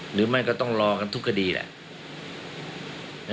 หรือไม่ก็ต้องรอกันทุกคดีแหละ